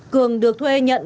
cường được thuê nhận